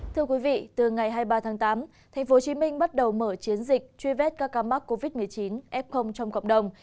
thưa quý vị từ ngày hai mươi ba tháng tám tp hcm bắt đầu mở chiến dịch truy vết các ca mắc covid một mươi chín f trong cộng đồng